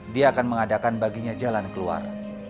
dia akan mengadakan baginya jalan keluar